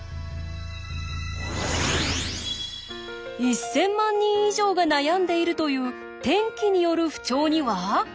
１，０００万人以上が悩んでいるという天気による不調には。